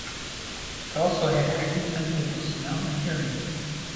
He also had heightened senses of smell and hearing.